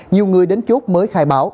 nhiều người đến chốt mới khai báo